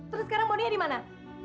terus sekarang boninya dimana